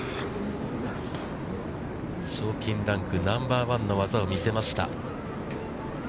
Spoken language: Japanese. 賞金ランクナンバーワンの技を見せました。